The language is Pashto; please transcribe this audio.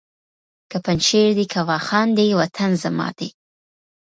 که پنجشېر دی که واخان دی وطن زما دی